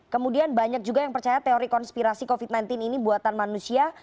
kemudian banyak juga yang percaya teori konspirasi covid sembilan belas ini buatan manusia